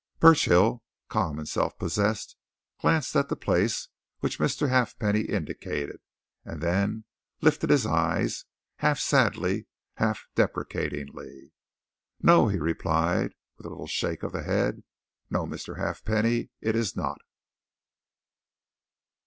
Burchill, calm and self possessed, glanced at the place which Mr. Halfpenny indicated, and then lifted his eyes, half sadly, half deprecatingly. "No!" he replied, with a little shake of the head; "No, Mr. Halfpenny, it is not!"